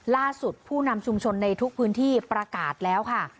ผู้นำชุมชนในทุกพื้นที่ประกาศแล้วค่ะ